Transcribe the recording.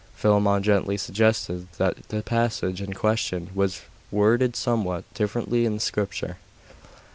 Philammon gently suggested that the passage in question was worded somewhat differently in the Scripture.